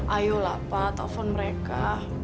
ayolah pak telfon mereka